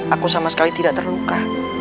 aku sama sekali tidak terluka